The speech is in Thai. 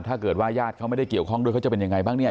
ญาติญาติเขาไม่ได้เกี่ยวข้องด้วยเขาจะเป็นยังไงบ้างเนี่ย